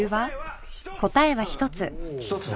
答えは１つ！